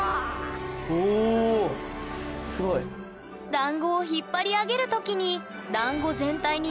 だんごを引っ張り上げる時にだんご全体に